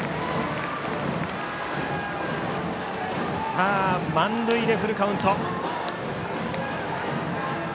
さあ、満塁でフルカウント。